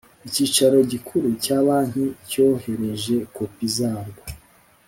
Ikicaro gikuru cya banki cyohereje kopi zarwo